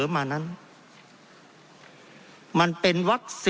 เพราะเรามี๕ชั่วโมงครับท่านนึง